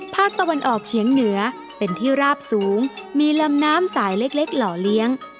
ภาคตะวันออกเฉียงเหนือเป็นที่ราบสูงมีลำน้ำสายเล็กหล่อเลี้ยง